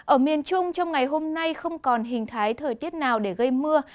ở miền trung trong ngày hôm nay không còn hình thái thời tiết nào để gây mưa